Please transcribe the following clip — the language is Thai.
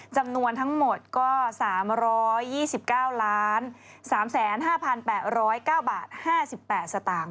จำนวนทั้งหมดก็๓๒๙๓๕๘๐๙บาท๕๘สตางค์